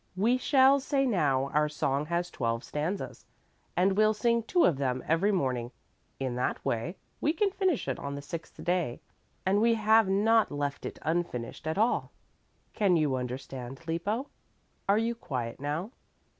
We shall say now our song has twelve stanzas and we'll sing two of them every morning; in that way we can finish it on the sixth day and we have not left it unfinished at all. Can you understand, Lippo? Are you quiet now?"